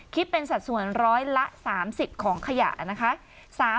คิดเป็นสัดส่วนร้อยละ๓๐ของขยะนะคะ